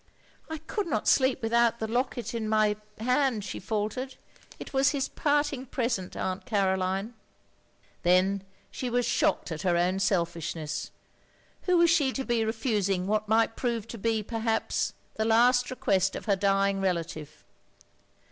"I could not sleep without the locket in my OF GROSVENOR SQUARE 21 hand, " she faltered. " It was his parting present, Aunt Caroline." Then she was shocked at her own selfishness. Who was she to be reftising what might prove to be, perhaps, the last request of her dying relative.